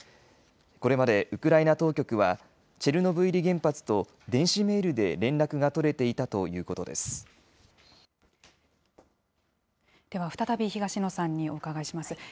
これまでウクライナ当局は、チェルノブイリ原発と電子メールで連絡が取れていたということででは再び、東野さんにお伺いします。